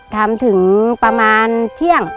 ทำถึงประมาณเที่ยง